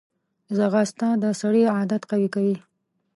ځغاسته د سړي عادت قوي کوي